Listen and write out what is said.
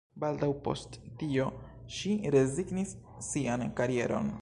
Baldaŭ post tio, ŝi rezignis sian karieron.